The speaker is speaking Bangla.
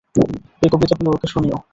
এই কবিতাগুলো ওকে শুনিও।